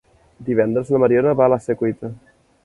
Dimecres na Mariona va a la Secuita.